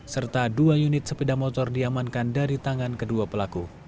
serta dua unit sepeda motor diamankan dari tangan kedua pelaku